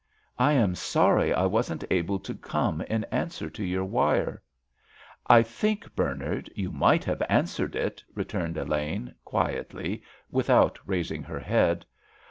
"I am sorry I wasn't able to come in answer to your wire." "I think, Bernard, you might have answered it," returned Elaine, quietly, without raising her head.